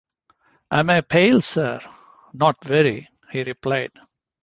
'Am I pale, Sir?’ ‘Not very,’ he replied.